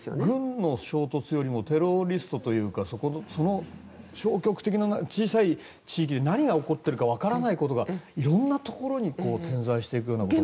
軍の衝突よりもテロリストというかその消極的な、小さい地域で何が起こっているかわからないことが色んなところに点在していくような。